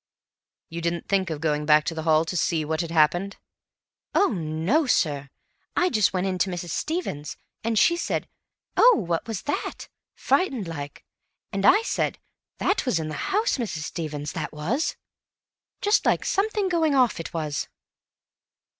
"You didn't think of going back to the hall to see what had happened?" "Oh, no, sir. I just went in to Mrs. Stevens, and she said, 'Oh, what was that?' frightened like. And I said, 'That was in the house, Mrs. Stevens, that was.' Just like something going off, it was."